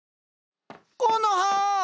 コノハ！